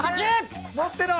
持ってろ！